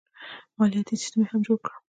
مالیاتي سیستم یې هم جوړ کړ.